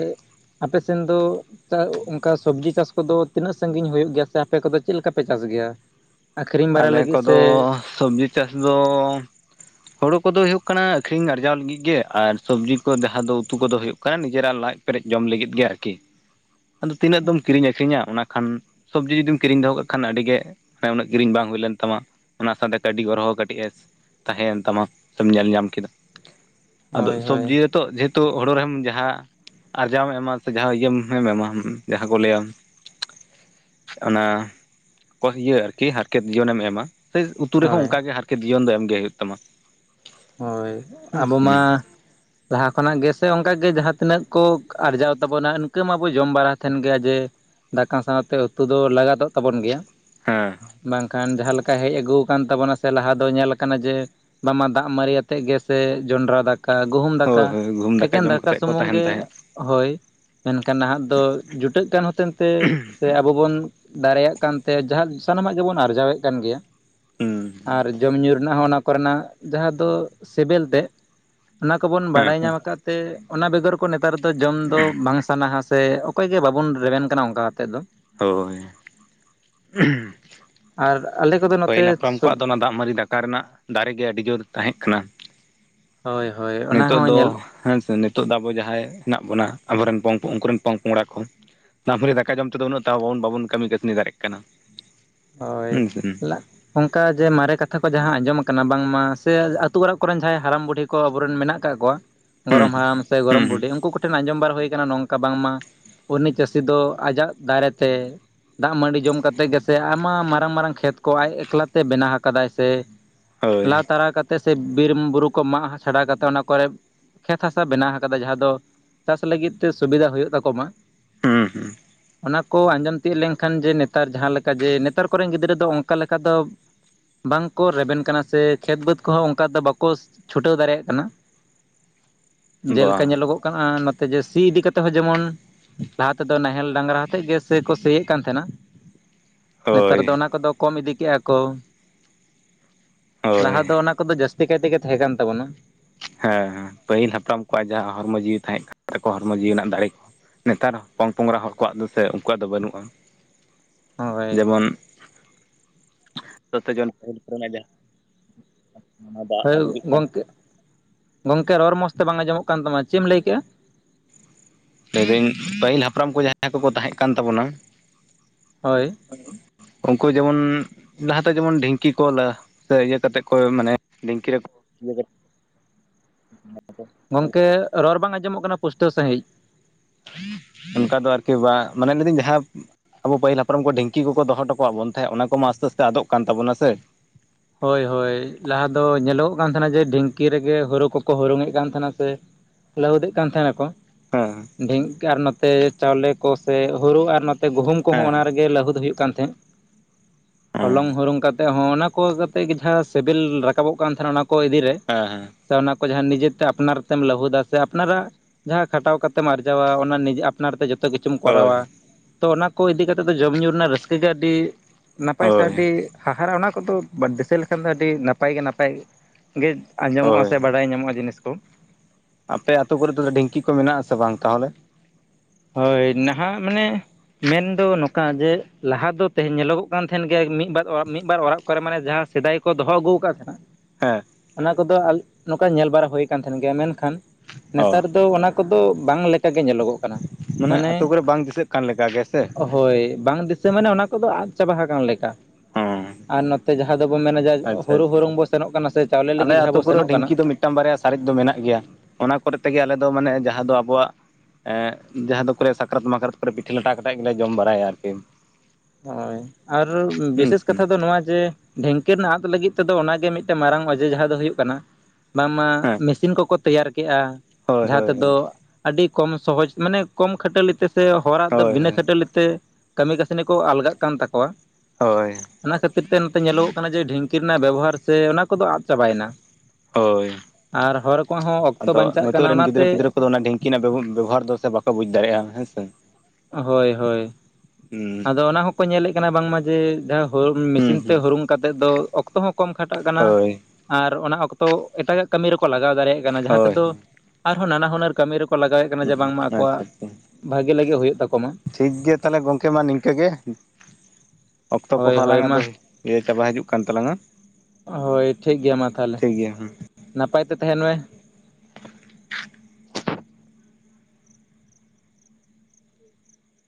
ᱟᱯᱮ ᱥᱮᱱ ᱫᱚ <unintelligible> ᱚᱱᱠᱟ ᱥᱚᱵᱽᱡᱤ ᱪᱟᱥ ᱠᱚᱫᱚ ᱛᱤᱱᱟᱹᱜ ᱥᱟᱺᱜᱤᱧ ᱦᱩᱭᱩᱜ ᱜᱮᱭᱟ ᱥᱮ ᱟᱯᱮ ᱠᱚᱫᱚ ᱪᱮᱜ ᱞᱮᱠᱟᱯᱮ ᱪᱟᱥ ᱜᱮᱭᱟ ᱟᱹᱠᱷᱨᱤᱧ ᱵᱟᱲᱟ ᱟᱞᱮ ᱞᱟᱹᱜᱤᱫ ᱥᱮ ᱠᱚᱫᱚ ᱥᱚᱵᱽᱡᱤ ᱪᱟᱥ ᱫᱚ ᱦᱳᱲᱳ ᱠᱚᱫᱚ ᱦᱩᱭᱩᱜ ᱠᱟᱱᱟ ᱟᱹᱷᱨᱤᱧ ᱟᱨᱡᱟᱣ ᱞᱟᱹᱜᱤᱫ ᱜᱮ ᱟᱨ ᱥᱚᱵᱽᱡᱤ ᱠᱚ ᱡᱟᱦᱟᱸ ᱫᱚ ᱩᱛᱩ ᱠᱚᱫᱚ ᱦᱩᱭᱩᱜ ᱠᱟᱱᱟ ᱱᱤᱡᱮᱨᱟᱜ ᱞᱟᱡ ᱠᱟᱹᱴᱤᱡ ᱡᱚᱢ ᱞᱟᱹᱜᱤᱫ ᱜᱮ ᱟᱨᱠᱤ <inaudible> ᱟᱫᱚ ᱛᱤᱱᱟᱹᱜ ᱫᱚᱢ ᱠᱤᱨᱤᱧ ᱟᱠᱷᱨᱤᱧᱟ ᱚᱱᱟ ᱠᱷᱟᱱ ᱥᱚᱵᱽᱡᱤ ᱡᱩᱫᱤᱢ ᱠᱤᱨᱤᱧ ᱫᱚᱦᱚ ᱠᱟᱜ ᱠᱷᱟᱱ ᱟᱹᱰᱤ ᱜᱮ ᱠᱤᱨᱤᱧ ᱵᱟᱝ ᱦᱩᱭ ᱞᱮᱱ ᱛᱟᱢᱟ ᱚᱱᱟ ᱥᱟᱶᱛᱮ ᱠᱟᱰᱤ ᱜᱚᱨ ᱦᱚᱸ ᱠᱟᱹᱴᱤᱡ ᱮ ᱛᱟᱦᱮᱸᱭᱮᱱ ᱛᱟᱢᱟ ᱥᱮᱢ ᱧᱮᱞ ᱧᱟᱢ ᱠᱮᱫᱟ ᱟᱫᱚ ᱦᱳᱭ ᱦᱳᱭ ᱥᱚᱵᱽᱡᱤ ᱨᱮ ᱛᱚᱜ ᱡᱮᱦᱮᱛᱩ ᱦᱳᱲᱳ ᱨᱮᱢ ᱡᱟᱦᱟᱸ ᱟᱨᱡᱟᱣ ᱮᱢ ᱮᱢᱟ ᱥᱮ ᱡᱟᱦᱟᱸ ᱤᱭᱟᱹᱢ ᱮᱢᱟ ᱡᱟᱦᱟᱸ ᱠᱚ ᱞᱟᱹᱭᱟ ᱚᱱᱟ ᱠᱚ ᱤᱭᱟᱹ <unintelligible> ᱦᱟᱨᱠᱮᱛ ᱡᱤᱭᱚᱱᱮᱢ ᱮᱢᱟ ᱥᱮ ᱩᱛᱩ ᱨᱮᱦᱚᱸ ᱦᱳᱭ ᱚᱱᱠᱟᱜᱮ ᱦᱟᱨᱠᱮᱛ ᱡᱤᱭᱚᱱ ᱫᱚ ᱮᱢᱜᱮ ᱦᱩᱭᱩᱜ ᱛᱟᱢᱟ ᱦᱚᱭ ᱦᱮᱸ ᱟᱵᱚ ᱢᱟ ᱞᱟᱦᱟ ᱠᱷᱚᱱᱟᱜ ᱜᱮᱥᱮ ᱚᱱᱠᱟ ᱜᱮ ᱡᱟᱦᱟᱸ ᱛᱤᱱᱟᱹᱜ ᱠᱚ ᱟᱨᱡᱟᱣ ᱛᱟᱵᱚᱱᱟ ᱤᱱᱠᱟᱹ ᱢᱟᱵᱚ ᱡᱚᱢ ᱵᱟᱲᱟ ᱛᱷᱮᱱ ᱜᱮᱭᱟ ᱡᱮ ᱫᱟᱠᱟ ᱥᱟᱶᱛᱮ ᱩᱛᱩ ᱫᱚ ᱞᱟᱜᱟᱛᱚᱜ ᱛᱟᱵᱚᱱ ᱜᱮᱭᱟ ᱦᱮᱸ ᱵᱟᱝᱠᱷᱟᱱ ᱡᱟᱦᱟᱸ ᱞᱮᱠᱟ ᱦᱮᱡ ᱟᱹᱜᱩ ᱠᱟᱱ ᱛᱟᱵᱚᱱᱟ ᱥᱮ ᱞᱟᱦᱟ ᱫᱚ ᱧᱮᱞ ᱟᱠᱟᱱᱟ ᱡᱮ ᱵᱟᱝ ᱢᱟ ᱫᱟᱜ ᱢᱟᱹᱨᱤ ᱟᱛᱮᱫ ᱜᱮᱥᱮ ᱡᱚᱸᱰᱨᱟ ᱫᱟᱠ ᱠᱟ ᱜᱩᱦᱩᱢ ᱫᱟᱠᱟ ᱦᱳᱭ ᱦᱳᱭ ᱜᱩᱦᱩᱢ ᱮᱠᱮᱱ ᱡᱚᱢ ᱫᱟᱠᱟ ᱠᱟᱛᱮᱫ ᱠᱚ ᱥᱩᱢᱩᱝ ᱛᱟᱦᱮᱱ ᱜᱮ ᱛᱟᱦᱮᱸᱫ ᱦᱚᱭ ᱢᱮᱱᱠᱷᱟᱱ ᱱᱟᱦᱟᱜ ᱫᱚ ᱡᱩᱴᱟᱹᱜ ᱠᱟᱱ ᱦᱚᱛᱮᱱ ᱛᱮ ᱛᱮ ᱟᱵᱚ ᱵᱚᱱ ᱫᱟᱨᱮᱭᱟᱜ ᱠᱟᱱᱛᱮ ᱡᱟᱦᱟᱸ ᱥᱟᱱᱟᱢᱟᱜ ᱜᱮᱵᱚᱱ ᱟᱨᱡᱟᱣᱮᱜ ᱠᱟᱱ ᱜᱮᱭᱟ ᱦᱩᱸ ᱟᱨ ᱡᱚᱢᱧᱩ ᱨᱮᱱᱟᱜ ᱦᱚᱸ ᱚᱱᱟ ᱠᱚᱨᱮᱱᱟᱜ ᱡᱟᱦᱟᱸ ᱫᱚ ᱥᱮᱵᱮᱞ ᱛᱮᱜ ᱚᱱᱟ ᱠᱚᱵᱚᱱ ᱵᱟᱲᱟᱭ ᱧᱟᱢ ᱟᱠᱟᱜ ᱛᱮ ᱚᱱᱟ ᱵᱮᱜᱚᱨ ᱠᱚ ᱱᱮᱛᱟᱨ ᱫᱚ ᱡᱚᱢ ᱫᱚ ᱵᱟᱝ ᱥᱟᱱᱟᱦᱟ ᱥᱮ ᱚᱠᱚᱭ ᱜᱮ ᱵᱟᱵᱚᱱ ᱨᱮᱵᱮᱱ ᱠᱟᱱᱟ ᱚᱱᱠᱟ ᱠᱟᱛᱮᱫ ᱫᱚ ᱦᱳᱭ <unintelligible> ᱟᱨ ᱟᱞᱮ ᱠᱚᱫᱚ ᱱᱚᱛᱮ ᱯᱟᱹᱦᱤᱞ ᱦᱟᱯᱲᱟᱢ ᱥᱚᱵ ᱠᱚᱣᱟᱜ ᱫᱚ ᱚᱱᱟ ᱫᱟᱜᱢᱟᱹᱨᱤ ᱫᱟᱠᱟ ᱟᱠᱟ ᱨᱮᱱᱟᱜ ᱫᱟᱨᱮ ᱜᱮ ᱟᱹᱰᱤ ᱡᱳᱨ ᱛᱟᱦᱮᱸᱜ ᱠᱟᱱᱟ ᱦᱳᱭ ᱦᱳᱭ ᱚᱱᱟ ᱱᱤᱛᱚᱜ ᱦᱚᱸ ᱫᱚ ᱧᱮᱞ ᱦᱮᱸᱥᱮ ᱱᱤᱛᱚᱜ ᱫᱚ ᱟᱵᱚ ᱡᱟᱦᱟᱸᱭ ᱦᱮᱱᱟᱜ ᱵᱚᱱᱟ ᱟᱵᱚᱨᱮᱱ ᱯᱚᱝᱯᱚᱝ ᱩᱱᱠᱩ ᱨᱮᱱ ᱯᱚᱝᱯᱚᱝᱲᱟ ᱠᱚ ᱫᱟᱜ ᱢᱟᱹᱲᱤ ᱫᱟᱠᱟ ᱡᱚᱢ ᱛᱮᱫᱚ ᱩᱱᱟᱹᱜ ᱛᱟᱣᱵᱚᱱ ᱵᱟᱵᱚᱱ ᱠᱟᱹᱢᱤ ᱠᱟᱹᱥᱱᱤ ᱫᱟᱲᱮᱜ ᱠᱟᱱᱟ ᱦᱳᱭ ᱦᱩᱸ ᱦᱩᱸ ᱞᱟᱜ ᱚᱝᱠᱟ ᱡᱮ ᱢᱟᱨᱮ ᱠᱟᱛᱷᱟ ᱠᱚ ᱡᱟᱦᱟᱸ ᱟᱸᱡᱚᱢ ᱟᱠᱟᱱᱟ ᱵᱟᱝᱢᱟ ᱥᱮ ᱟᱹᱛᱩ ᱚᱨᱟᱜ ᱠᱚᱨᱮᱱ ᱡᱟᱦᱟᱸᱭ ᱦᱟᱨᱟᱢ ᱵᱩᱰᱷᱤ ᱠᱚ ᱟᱵᱚᱨᱮᱱ ᱢᱮᱱᱟᱜ ᱠᱟᱜ ᱠᱚᱣᱟ ᱦᱩᱸ ᱜᱚᱨᱚᱢ ᱦᱟᱨᱟᱢ ᱥᱮ ᱦᱩᱸ ᱜᱚᱨᱚᱢ ᱦᱩᱸ ᱵᱩᱰᱷᱤ ᱩᱱᱠᱩ ᱠᱚᱴᱷᱮᱱ ᱟᱸᱡᱚᱢ ᱵᱟᱨ ᱦᱩᱭ ᱟᱠᱟᱱᱟ ᱱᱚᱝᱠᱟ ᱵᱟᱝᱢᱟ ᱩᱱᱤ ᱪᱟᱹᱥᱤ ᱫᱚ ᱟᱡᱟᱜ ᱫᱟᱨᱮᱛᱮ ᱫᱟᱜ ᱢᱟᱹᱰᱤ ᱡᱚᱢ ᱠᱟᱛᱮ ᱜᱮ ᱥᱮ ᱟᱭᱢᱟ ᱢᱟᱨᱟᱝ ᱢᱟᱨᱟᱝ ᱠᱷᱮᱛ ᱠᱚ ᱟᱡ ᱮᱠᱞᱟᱛᱮ ᱵᱮᱱᱟ ᱟᱠᱟᱫᱟᱭ ᱥᱮ ᱦᱳᱭ ᱞᱟ ᱛᱟᱨᱟ ᱠᱟ ᱛᱮ ᱥᱮ ᱵᱤᱨ ᱵᱩᱨᱩ ᱠᱚ ᱢᱟᱜ ᱪᱷᱟᱰᱟ ᱠᱟᱛᱮᱜ ᱚᱱᱟ ᱠᱚᱨᱮ ᱠᱷᱮᱛ ᱦᱟᱥᱟ ᱵᱮᱱᱟ ᱦᱟᱠᱟᱫᱟ ᱡᱟᱦᱟᱸ ᱫᱚ ᱪᱟᱥ ᱞᱟᱹᱜᱤᱫ ᱛᱮ ᱥᱩᱵᱤᱫᱟ ᱦᱩᱭᱩᱜ ᱛᱟᱠᱚ ᱢᱟ ᱦᱩᱸ ᱦᱩᱸ ᱚᱱᱟ ᱠᱚ ᱟᱸᱡᱚᱢ ᱛᱤᱭᱳᱜ ᱞᱮᱝᱠᱷᱟᱱ ᱡᱮ ᱱᱮᱛᱟᱨ ᱡᱟᱦᱟᱸ ᱞᱮᱠ ᱠᱟ ᱡᱮ ᱱᱮᱛᱟᱨ ᱠᱚᱨᱮᱱ ᱜᱤᱫᱽᱨᱟᱹ ᱫᱚ ᱚᱝᱠᱟ ᱞᱮᱠᱟ ᱫᱚ ᱵᱟᱝᱠᱚ ᱨᱮᱵᱮᱱ ᱠᱟᱱᱟ ᱥᱮ ᱠᱷᱮᱛ ᱵᱟᱹᱫᱽ ᱠᱚᱦᱚᱸ ᱚᱝᱠᱟ ᱫᱚ ᱵᱟᱠᱚ ᱪᱷᱩᱴᱟᱹᱣ ᱫᱟᱨᱮᱭᱟᱜ ᱠᱟᱱᱟ <inaudible> ᱡᱮᱞᱮᱠᱟ ᱵᱟᱝ ᱧᱮᱞᱚᱜᱚᱜ ᱠᱟᱱᱟ ᱱᱚᱛᱮ ᱡᱮ ᱥᱤ ᱤᱫᱤ ᱠᱟᱛᱮ ᱦᱚᱸ ᱡᱮᱢᱚᱱ ᱞᱟᱦᱟ ᱛᱮᱫᱚ ᱱᱟᱦᱮᱞ ᱰᱟᱝᱨᱟ ᱛᱮᱫ ᱜᱮ ᱥᱮ ᱠᱚ ᱥᱮᱭᱮᱜ ᱠᱟᱱ ᱛᱟᱸᱦᱮᱱᱟ ᱱᱮᱛᱟᱨ ᱦᱳᱭ ᱫᱚ ᱚᱱᱟ ᱠᱚᱫᱚ ᱠᱚᱢ ᱤᱫᱤ ᱠᱮᱜᱼᱟ ᱠᱚ ᱦᱳᱭ ᱞᱟᱦᱟ ᱫᱚ ᱚᱱᱟ ᱠᱚᱫᱚ ᱡᱟᱹᱥ <unintelligible> ᱛᱷᱟᱦᱮᱸ ᱠᱟᱱ ᱛᱟᱵᱚᱱᱟ ᱦᱮᱸ ᱦᱮᱸ ᱯᱟᱹᱦᱤᱞ ᱦᱟᱯᱲᱟᱢ ᱠᱚᱣᱟᱜ ᱡᱟᱦᱟᱸ ᱦᱚᱲᱢᱚ ᱡᱤᱣᱤ ᱛᱟᱦᱮᱸ ᱠᱟᱱ ᱛᱟᱠᱚᱣᱟ ᱦᱚᱲᱢᱚ ᱡᱤᱣᱤ ᱨᱮᱱᱟᱜ ᱫᱟᱲᱮ ᱠᱚ ᱱᱮᱛᱟᱨ ᱯᱚᱝ ᱯᱚᱝᱨᱟ ᱦᱚᱨ ᱠᱚᱣᱟᱜ ᱫᱚ ᱥᱮ ᱩᱱᱠᱩᱣᱟᱜ ᱫᱚ ᱵᱟᱹᱱᱩᱜᱼᱟ ᱦᱳᱭ ᱡᱮᱢᱚᱱ ᱛᱚᱛᱚ ᱡᱚᱱ <inaudible> ᱦᱳᱭ ᱜᱚᱝᱠᱮ ᱜᱚᱝᱠᱮ ᱨᱚᱨ ᱢᱚᱡᱽ ᱛᱮ ᱵᱟᱝ ᱟᱸᱡᱚᱢᱚᱜ ᱠᱟᱱ ᱛᱟᱢᱟ ᱪᱮᱜ ᱮᱢ ᱞᱟᱹᱭ ᱠᱮᱜᱼᱟ ᱞᱟᱹᱭ ᱫᱟᱹᱧ ᱯᱟᱹᱦᱤᱞ ᱦᱟᱯᱲᱟᱢ ᱠᱚ ᱡᱟᱦᱟᱸᱭ ᱠᱚᱠᱚ ᱛᱟᱦᱮᱸᱜ ᱠᱟᱱ ᱛᱟᱵᱚᱱᱟ ᱦᱳᱭ ᱩᱜᱠᱩ ᱡᱮᱢᱚᱱ ᱞᱟᱦᱟᱛᱮ ᱡᱮᱢᱚᱱ ᱰᱷᱤᱝᱠᱤ ᱠᱚ ᱞᱟᱹ ᱥᱮ ᱤᱭᱟᱹ ᱠᱟᱛᱮᱜ ᱠᱚ ᱢᱟᱱᱮ ᱰᱷᱤᱝᱠᱤ ᱨᱮ ᱠᱚ ᱤᱭᱟᱹ ᱠᱟᱛᱮᱜ <unintelligible> ᱜᱚᱝᱠᱮ ᱨᱚᱨ ᱵᱟᱝ ᱟᱸᱡᱚᱢᱚᱜ ᱠᱟᱱᱟ ᱯᱩᱥᱴᱟᱹᱣ ᱥᱟᱺᱦᱤᱡ ᱚᱱᱠᱟ ᱫᱚ ᱟᱨᱠᱤ ᱵᱟ ᱢᱟᱱᱮ ᱞᱟᱹᱭᱫᱟᱹᱧ ᱡᱟᱦᱟᱸᱭᱟᱜ ᱟᱵᱚ ᱯᱟᱹᱦᱤᱞ ᱦᱟᱯᱲᱚᱢ ᱠᱚ ᱰᱷᱤᱝᱤ ᱠᱚᱠᱚ ᱫᱚᱦᱚ ᱴᱚᱠᱣᱟᱜᱼᱵᱚᱱ ᱛᱟᱦᱮᱸᱜ ᱚᱱᱟ ᱠᱚᱢᱟ ᱟᱥᱛᱮ ᱟᱥᱛᱮ ᱟᱫᱚᱜ ᱠᱟᱱ ᱛᱟᱵᱚᱱᱟ ᱥᱮ ᱦᱳᱭ ᱦᱳᱭ ᱞᱟᱦᱟ ᱫᱚ ᱧᱮᱞᱚᱜᱚᱜ ᱠᱟᱱ ᱛᱟᱸᱦᱮᱱᱟ ᱡᱮ ᱰᱷᱤᱝᱠᱤ ᱨᱮᱜᱮ ᱦᱳᱨᱳ ᱠᱚᱠᱚ ᱦᱩᱨᱩᱝ ᱮᱜ ᱠᱟᱱ ᱛᱟᱸᱦᱮᱱᱟ ᱥᱮ ᱞᱟᱹᱦᱩᱫᱮᱜ ᱠᱟᱱ ᱛᱟᱸᱦᱮᱱᱟ ᱠᱚ ᱦᱮᱸ ᱰᱷᱤᱝ ᱟᱨ ᱱᱚᱛᱮ ᱪᱟᱣᱞᱮ ᱠᱚ ᱥᱮ ᱦᱩᱲᱩ ᱟᱨ ᱱᱚ ᱜᱩᱦᱩᱢ ᱠᱚᱦᱚᱸ ᱦᱮᱸ ᱚᱱᱟ ᱨᱮᱜᱮ ᱞᱟᱹᱦᱩᱫ ᱦᱩᱭᱩᱜ ᱠᱟᱱ ᱛᱟᱸᱦᱮᱫ ᱦᱮᱸ ᱦᱚᱞᱚᱝ ᱦᱩᱲᱩᱝ ᱠᱟᱛᱮᱫ ᱦᱚᱸ ᱚᱱᱟ ᱠᱚ ᱠᱟᱛᱮ ᱜᱮ ᱡᱟᱦᱟᱸ ᱥᱮᱵᱮᱞ ᱨᱟᱠᱟᱵᱚᱜ ᱠᱟᱱ ᱛᱟᱸᱦᱮᱱᱟ ᱚᱱᱟ ᱠᱚ ᱤᱫᱤ ᱨᱮ ᱦᱮᱸ ᱦᱮᱸ ᱥᱮ ᱚᱱᱟ ᱠᱚ ᱡᱟᱦᱟᱸ ᱱᱤᱡᱮᱛᱮ ᱟᱯᱱᱟᱨ ᱛᱮᱢ ᱞᱟᱹᱦᱩ ᱫᱟ ᱥᱮ ᱟᱯᱱᱟᱨᱟᱜ ᱡᱟᱦᱟᱸ ᱠᱷᱟᱴᱟᱣ ᱠᱟᱛᱮᱢ ᱟᱨᱡᱟᱣᱟ ᱚᱱᱟ ᱱᱤᱡᱮ ᱟᱯᱱᱟᱨ ᱛᱮ ᱡᱚᱛᱚ ᱠᱤᱪᱷᱩᱢ ᱦᱳᱭ ᱠᱚᱨᱟᱣᱟ ᱛᱚ ᱚᱱᱟ ᱠᱚ ᱤᱫᱤ ᱠᱟᱛᱮ ᱫᱚ ᱡᱚᱢᱼ ᱧᱩ ᱨᱮᱱᱟᱜ ᱨᱟᱹᱥᱠᱟᱹ ᱜᱮ ᱟᱹᱰᱤ ᱱᱟᱯᱟᱭ ᱥᱮ ᱦᱳᱭ ᱟᱹᱰᱤ ᱦᱟᱦᱟᱨᱟ ᱚᱱᱟ ᱠᱚᱫᱚ ᱫᱤᱥᱟᱹ ᱞᱮᱠᱷᱟᱱ ᱫᱚ ᱟᱹᱰᱤ ᱱᱟᱯᱟᱭ ᱜᱮ ᱱᱟᱯᱟᱭ ᱜᱮ ᱟᱸᱡᱚᱢᱚᱜᱼᱟ ᱦᱳᱭ ᱥᱮ ᱵᱟᱰᱟᱭ ᱧᱟᱢᱚᱜᱼᱟ ᱡᱤᱱᱤᱥ ᱠᱚ ᱟᱯᱮ ᱟᱹᱛᱩ ᱠᱚᱨᱮ ᱫᱚ ᱰᱷᱤᱝᱠᱤ ᱠᱚ ᱢᱮᱱᱟᱜ ᱟᱥᱮ ᱵᱟᱝ ᱛᱟᱦᱞᱮ ᱦᱳᱭ ᱱᱟᱦᱟᱜ ᱢᱟᱱᱮ ᱢᱮᱱ ᱫᱚ ᱱᱚᱝᱠᱟ ᱡᱮ ᱞᱟᱦᱟ ᱫᱚ ᱛᱮᱦᱮᱧ ᱧᱮᱞᱚᱜᱚᱜ ᱠᱟᱱ ᱛᱟᱸᱦᱮᱱ ᱜᱮᱭᱟ ᱢᱤᱫ ᱵᱟᱨ ᱚᱲᱟᱜ ᱢᱤᱫ ᱵᱟᱨ ᱚᱲᱟᱜ ᱚᱠᱟᱨᱮ ᱢᱟᱱᱮ ᱡᱟᱦᱟᱸ ᱥᱮᱫᱟᱭ ᱠᱚ ᱫᱚᱦᱚ ᱟᱹᱜᱩ ᱠᱟᱜ ᱛᱟᱦᱮᱸᱱᱟ ᱦᱮᱸ ᱚᱱᱟ ᱠᱚᱫᱚ ᱱᱚᱝᱠᱟ ᱧᱮᱞ ᱵᱟᱲᱟ ᱦᱩᱭ ᱠᱟᱱ ᱛᱟᱸᱦᱮᱱ ᱜᱮ ᱢᱮᱱᱠᱷᱟᱱ ᱚ ᱱᱮᱛᱟᱨ ᱫᱚ ᱚᱱᱟ ᱠᱚᱫᱚ ᱵᱟᱝ ᱞᱮᱠᱟᱜᱮ ᱧᱮᱞᱚᱜᱚᱜ ᱠᱟᱱᱟ ᱢᱟᱱᱮ ᱟᱹᱛᱳ ᱠᱚᱨᱮ ᱵᱟᱝ ᱫᱤᱥᱟᱹᱜ ᱠᱟᱱ ᱞᱮᱠᱟ ᱜᱮ ᱥᱮ ᱦᱳᱭ ᱵᱟᱝ ᱫᱤᱥᱟᱹ ᱢᱟᱱᱮ ᱚᱱᱟ ᱠᱚᱫᱚ ᱟᱫ ᱪᱟᱵᱟ ᱦᱟᱠᱟᱱ ᱞᱮᱠᱟ ᱦᱮᱸ ᱟᱨ ᱱᱚᱛᱮ ᱡᱟᱦᱟᱸ ᱫᱚ ᱵᱚ ᱢᱮᱱᱟ ᱟᱪᱪᱷᱟ ᱦᱩᱲᱩ ᱟᱪᱪᱷᱟ ᱦᱩᱨᱩᱝ ᱵᱚ ᱥᱮᱱᱚᱜ ᱠᱟᱱᱟ ᱥᱮ ᱪᱟᱣᱞᱮ ᱟᱞᱮ ᱞᱟᱹᱜᱤᱫ ᱡᱟᱦᱟᱸ ᱟᱛᱳ ᱵᱚ ᱠᱚᱨᱮ ᱥᱮᱱᱚᱜ ᱠᱟᱱᱟ ᱰᱷᱤᱝᱠᱤ ᱫᱚ ᱢᱤᱫᱴᱟᱝ ᱵᱟᱨᱮᱭᱟ ᱥᱟᱨᱮᱡ ᱫᱚ ᱢᱮᱱᱟᱜ ᱜᱮᱭᱟ ᱚᱱᱟ ᱠᱚᱨᱮ ᱛᱮᱜᱮ ᱟᱞᱮ ᱫᱚ ᱢᱟᱱᱮ ᱡᱟᱦᱟᱸ ᱫᱚ ᱟᱵᱚᱣᱟᱜ ᱮᱸᱜ ᱡᱟᱦᱟᱸ ᱫᱚᱠᱚ ᱞᱮᱭᱟ ᱥᱟᱠᱨᱟᱛ ᱢᱚᱠᱚᱨ ᱠᱚᱨᱮ ᱯᱤᱴᱷᱟᱹ ᱞᱟᱴᱟ ᱠᱟᱛᱮ ᱜᱮᱞᱮ ᱡᱚᱢ ᱵᱟᱲᱟᱭᱟ ᱟᱨᱠᱤ ᱦᱳᱭ ᱟᱨ ᱦᱩᱸ ᱵᱤᱥᱮᱥ ᱦᱩᱸ ᱠᱟᱛᱷᱟ ᱫᱚ ᱱᱚᱣᱟ ᱡᱮ ᱰᱷᱤᱝᱠᱤ ᱨᱮᱱᱟᱜ ᱟᱫ ᱞᱟᱹᱜᱤᱫ ᱛᱮᱫᱚ ᱚᱱᱟ ᱜᱮ ᱢᱤᱫᱴᱟᱝ ᱢᱟᱨᱟᱝ ᱚᱡᱮ ᱡᱟᱦᱟᱸ ᱫᱚ ᱦᱩᱭᱩᱜ ᱠᱟᱱᱟ ᱵᱟᱝᱢᱟ ᱦᱮᱸ ᱢᱮᱥᱤᱱ ᱠᱚᱠᱚ ᱛᱮᱭᱟᱨ ᱠᱮᱜᱼᱟ ᱦᱳᱭ ᱡᱟᱦᱟᱸ ᱦᱳᱭ ᱛᱮᱫᱚ ᱦᱳᱭ ᱟᱹᱰᱤ ᱠᱚᱢ ᱥᱚᱦᱚᱡᱽ ᱢᱟᱱᱮ ᱠᱚᱢ ᱠᱷᱟᱹᱴᱟᱹᱞᱤ ᱛᱮ ᱥᱮ ᱦᱚᱲᱟᱜ ᱫᱚ ᱦᱳᱭ ᱵᱤᱱᱟᱹ ᱦᱳᱭ᱾ ᱠᱷᱟᱹᱴᱟᱹᱞᱤ ᱛᱮ ᱠᱟᱹᱢᱤ ᱠᱟᱹᱥᱱᱤ ᱠᱚ ᱟᱞᱜᱟᱜ ᱠᱟᱱ ᱛᱟᱠᱚᱣᱟ ᱦᱳᱭ ᱚᱱᱟ ᱠᱷᱟᱹᱛᱤᱨ ᱛᱮ ᱱᱚᱛᱮ ᱧᱮᱞᱚᱜᱚᱜ ᱠᱟᱱᱟ ᱡᱮ ᱰᱷᱤᱝᱠᱤ ᱨᱮᱱᱟᱜ ᱵᱮᱵᱚᱦᱟᱨ ᱥᱮ ᱚᱱᱟ ᱠᱚᱫᱚ ᱟᱫ ᱪᱟᱵᱟᱭᱮᱱᱟ ᱦᱳᱭ ᱟᱨ ᱦᱚᱲ ᱠᱚᱣᱟᱜ ᱦᱚᱸ ᱚᱠᱛᱚ ᱵᱟᱧᱪᱟᱜ ᱠᱟᱱᱟ ᱚᱱᱟᱛᱮ ᱩᱱᱠᱩ ᱫᱚ ᱚᱱᱟ ᱰᱷᱤᱝᱠᱤ ᱨᱮᱱᱟᱜ ᱵᱮᱵ ᱵᱮᱵᱚᱦᱟᱨ ᱫᱚ ᱥᱮ ᱵᱟᱠᱚ ᱵᱩᱡ ᱫᱟᱲᱮᱭᱟᱜᱼᱟ ᱦᱮᱸ ᱥᱮ ᱦᱳᱭ ᱦᱳᱭ ᱦᱩᱸ ᱟᱫᱚ ᱚᱱᱟ ᱦᱚᱸᱠᱚ ᱧᱮᱞᱮᱜ ᱠᱟᱱᱟ ᱵᱟᱝᱢᱟ ᱡᱮ ᱡᱟᱣ <unintelligible> ᱦᱩᱸ ᱢᱮᱥᱤᱱ ᱛᱮ ᱦᱩᱸ ᱦᱩᱲᱩᱝ ᱠᱟ ᱠᱟᱛᱮ ᱫᱚ ᱚᱠᱛᱚ ᱦᱚᱸ ᱠᱚᱢ ᱠᱷᱟᱴᱟᱜ ᱠᱟᱱᱟ ᱦᱳᱭ ᱟᱨ ᱚᱱᱟ ᱚᱠᱛᱚ ᱮᱴᱟᱜᱟᱜ ᱠᱟᱹᱢᱤ ᱨᱮᱠᱚ ᱞᱟᱜᱟᱣ ᱫᱟᱲᱮᱭᱟᱜ ᱠᱟᱱᱟ ᱡᱟᱦᱟᱸ ᱦᱳᱭ ᱛᱮᱫᱚ ᱟᱨᱦᱚᱸ ᱱᱟᱱᱟ ᱦᱩᱱᱟᱹᱨ ᱠᱟᱹᱢᱤ ᱨᱮᱠᱚ ᱠᱚ ᱞᱟᱜᱟᱣᱮᱜ ᱠᱟᱱᱟ ᱡᱮ ᱵᱟᱝᱢᱟ ᱟᱪᱪᱷᱟ ᱟᱠᱚᱣᱟᱜ ᱟᱪᱪᱷᱟ ᱵᱷᱟᱜᱮ ᱞᱟᱹᱜᱤᱫ ᱦᱩᱭᱩᱜ ᱛᱟᱠᱚ ᱢᱟ ᱴᱷᱤᱠ ᱜᱮᱭᱟ ᱛᱟᱞᱦᱮ ᱜᱚᱝᱠᱮ ᱢᱟ ᱱᱤᱝᱠᱟᱹ ᱜᱮ ᱚᱠᱛᱚ ᱦᱳᱭ ᱠᱚᱦᱚᱸ ᱦᱳᱭ ᱟᱞᱟᱝᱟᱜ ᱢᱟ ᱫᱚ ᱤᱭᱟᱹ ᱪᱟᱵᱟ ᱦᱤᱡᱩᱜ ᱠᱟᱱ ᱛᱟᱞᱟᱝᱟ ᱦᱳᱭ ᱴᱷᱤᱠ ᱜᱮᱭᱟ ᱢᱟ ᱛᱟᱦᱞᱮ ᱴᱷᱤᱠ ᱜᱮᱭᱟ ᱦᱮᱸ ᱱᱟᱯᱟᱭ ᱛᱮ ᱛᱟᱸᱦᱮᱱ ᱢᱮ